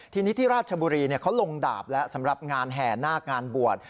ทีนี้ที่ราชบุรีเขาลงดาบแล้วสำหรับงานแห่นาคงานบวช